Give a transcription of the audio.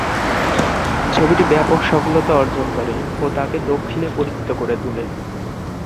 ছবিটি ব্যপক সফলতা অর্জন করে ও তাকে দক্ষিণে পরিচিত করে তুলে।